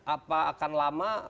apa akan lama